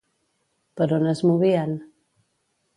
Per on es movien?